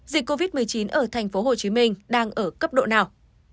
dịch covid một mươi chín ở tp hcm đang ở cấp độ nào